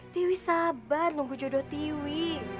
tiwi sabar nunggu jodoh tiwi